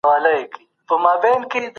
ده وویل چي پښتو زما د سخاوت او همت غږ دی.